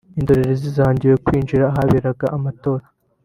indorerezi zangiwe kwinjira ahaberaga amatora